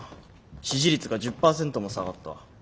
支持率が１０％も下がった。